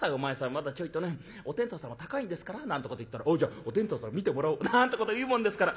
まだちょいとねお天道様高いんですから』なんてこと言ったら『おうじゃあお天道様見てもらおう』なんてこと言うもんですから」。